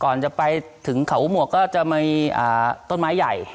จะไปถึงเขาหมวกก็จะมีต้นไม้ใหญ่